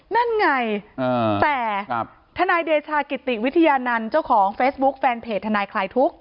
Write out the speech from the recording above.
นั่นไงเออแต่ครับธเดชากิติวิทยานัญเจ้าของเฟซบุ๊กแฟนเพจธคลายทุกข์